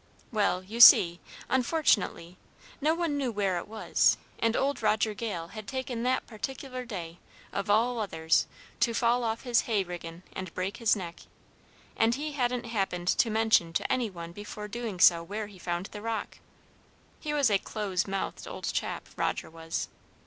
"Well, you see, unfortunately, no one knew where it was, and old Roger Gale had taken that particular day, of all others, to fall off his hay riggin' and break his neck, and he hadn't happened to mention to any one before doing so where he found the rock! He was a close mouthed old chap, Roger was.